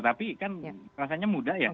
tapi kan rasanya mudah ya